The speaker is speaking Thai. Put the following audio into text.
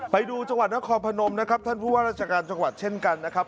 ไปดูจังหวัดนครพนมนะครับท่านผู้ว่าราชการจังหวัดเช่นกันนะครับ